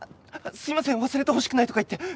すいません忘れてほしくないとか言って。